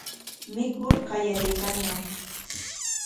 Mikur qallariykanñam.